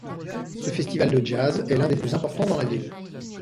Ce festival de jazz est l'un des plus importants dans la ville.